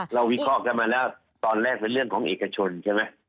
วิเคราะห์กันมาแล้วตอนแรกเป็นเรื่องของเอกชนใช่ไหม